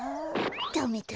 ダメだ。